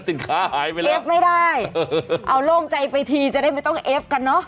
สินค้าหายไปแล้วเอฟไม่ได้เอาโล่งใจไปทีจะได้ไม่ต้องเอฟกันเนอะ